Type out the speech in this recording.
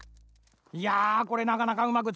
いやこれなかなかうまくつかないな。